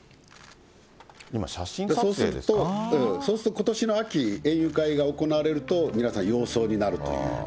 そうすると、ことしの秋、園遊会が行われると皆さん洋装になるという。